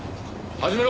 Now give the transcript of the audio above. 始めろ！